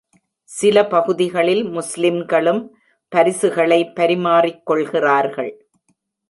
சில பகுதிகளில் முஸ்லிம்களும் பரிசுகளை பரிமாறிக்கொள்கிறார்கள்.